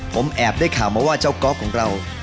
ผมแอบได้ข่าวมาว่าเจ้าก๊อฟของเรา